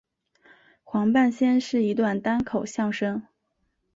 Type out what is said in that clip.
黄半仙是一段单口相声。